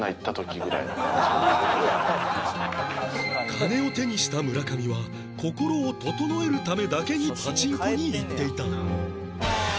金を手にした村上は心を整えるためだけにパチンコに行っていた